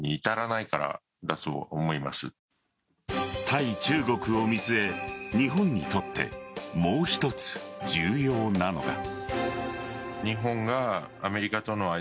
対中国を見据え、日本にとってもう一つ重要なのが。